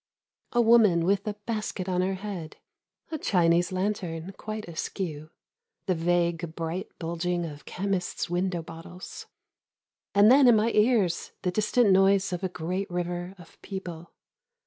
A woman with a basket on her head : a Chinese lantern quite askew : the vague bright bulging of chemists' window bottles ; and then in my ears the distant noise of a great river of people.